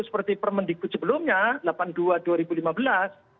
seperti permen di kut sebelumnya delapan puluh dua tahun dua ribu lima belas